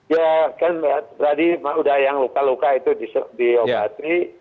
ya kan berarti udah yang luka luka itu diobati